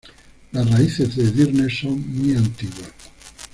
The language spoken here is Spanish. Las raíces de Edirne son muy antiguas.